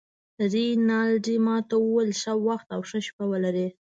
رینالډي ما ته وویل: ښه وخت او ښه شپه ولرې.